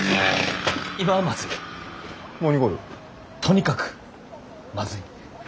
とにかくまずい。